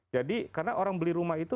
jadi karena orang beli rumah itu